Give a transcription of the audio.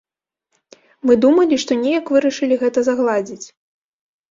Мы думалі, што неяк вырашылі гэта загладзіць.